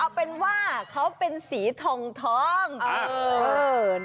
เอาเป็นว่าเขาเป็นสีทอง